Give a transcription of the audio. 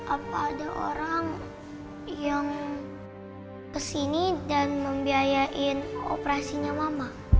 apa ada orang yang kesini dan membiayain operasinya mama